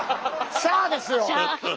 シャーですよ。